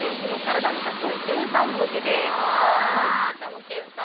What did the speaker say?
ああたむけんさん。